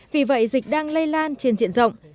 vì vậy dịch đang lây lan trên diện rộng